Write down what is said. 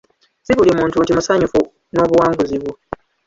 Ssi buli muntu nti musanyufu n'obuwanguzi bwo.